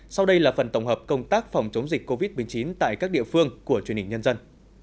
sau đây là phần tổng hợp công tác phòng chống dịch covid một mươi chín tại các địa phương của truyền hình nhân dân